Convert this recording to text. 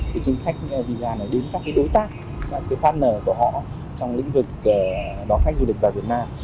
cái chính sách visa này đến các cái đối tác các cái partner của họ trong lĩnh vực đón khách du lịch vào việt nam